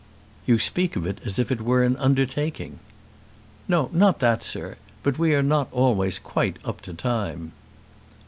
"You speak of it as if it were an undertaking." "No, not that, sir. But we are not always quite up to time."